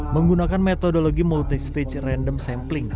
menggunakan metodologi multi stage random sampling